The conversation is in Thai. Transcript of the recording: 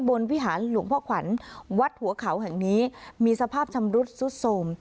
วิหารหลวงพ่อขวัญวัดหัวเขาแห่งนี้มีสภาพชำรุดซุดโสม